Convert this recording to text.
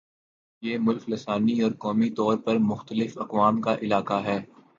یہ ملک لسانی اور قومی طور پر مختلف اقوام کا علاقہ ہے